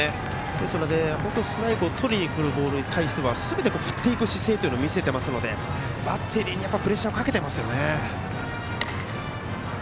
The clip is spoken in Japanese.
ですので、ストライクをとりにいくボールに対してすべて振っていく姿勢を見せていますので、バッテリーにプレッシャーをかけていますよね。